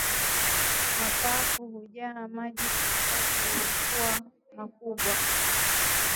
Mapafu hujaa maji na povu na huwa makubwa